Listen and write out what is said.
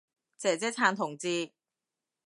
姐姐撐同志